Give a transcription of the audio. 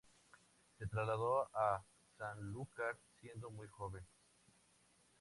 Se trasladó a Sanlúcar siendo muy joven.